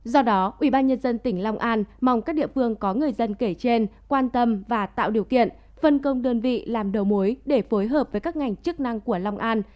do đó ubnd tỉnh long an mong các địa phương có người dân kể trên quan tâm và tạo điều kiện phân công đơn vị làm đầu mối để phối hợp với các ngành chức năng của long an